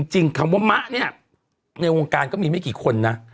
คำว่ามะเนี่ยในวงการก็มีไม่กี่คนนะ